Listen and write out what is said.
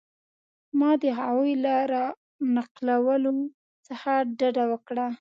ما د هغوی له را نقلولو څخه ډډه وکړه.